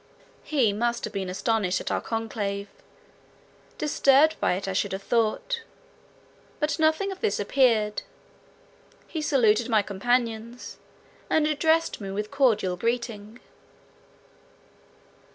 He must have been astonished at our conclave, disturbed by it I should have thought; but nothing of this appeared; he saluted my companions, and addressed me with a cordial greeting.